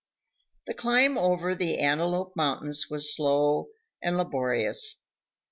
The climb over the Antelope Mountains was slow and laborious.